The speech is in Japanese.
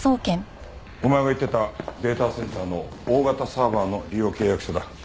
お前が言ってたデータセンターの大型サーバーの利用契約書だ。